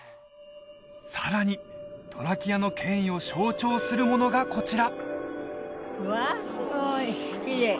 さらにトラキアの権威を象徴するものがこちら